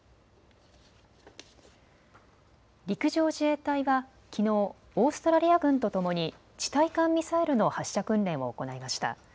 陸上自衛隊はきのうオーストラリア軍とともに地対艦ミサイルの発射訓練を行いました。